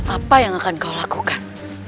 apa yang akan kau lakukan